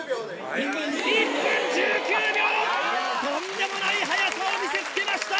とんでもない早さを見せ付けました。